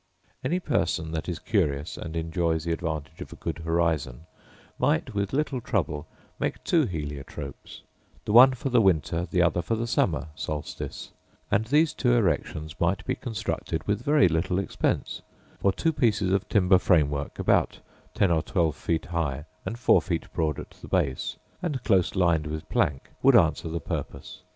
Any person that is curious, and enjoys the advantage of a good horizon, might, with little trouble, make two heliotropes; the one for the winter, the other for the summer solstice: and these two erections might be constructed with very little expense; for two pieces of timber frame work, about ten or twelve feet high, and four feet broad at the base, and close lined with plank, would answer the purpose.